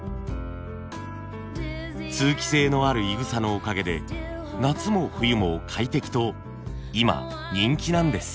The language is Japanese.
通気性のあるいぐさのおかげで夏も冬も快適と今人気なんです。